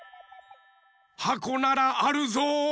はこならあるぞ。